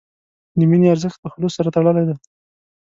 د مینې ارزښت د خلوص سره تړلی دی.